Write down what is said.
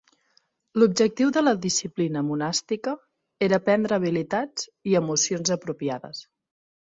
L'objectiu de la disciplina monàstica era aprendre habilitats i emocions apropiades.